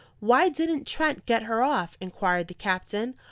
"Why didn't Trent get her off?" inquired the captain.